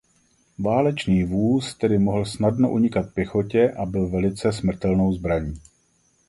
Válečný vůz tedy mohl snadno unikat pěchotě a byl velice smrtelnou zbraní.